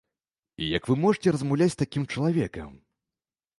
І як вы можаце размаўляць з такім чалавекам?